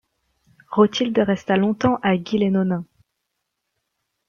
Rothilde resta longtemps à Gy-les-Nonains.